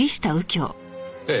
ええ。